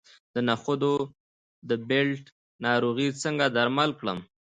د نخودو د پیلټ ناروغي څنګه درمل کړم؟